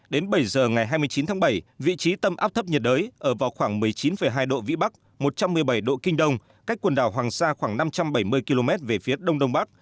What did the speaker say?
đến bảy giờ ngày hai mươi chín tháng bảy vị trí tâm áp thấp nhiệt đới ở vào khoảng một mươi chín hai độ vĩ bắc một trăm một mươi bảy độ kinh đông cách quần đảo hoàng sa khoảng năm trăm bảy mươi km về phía đông đông bắc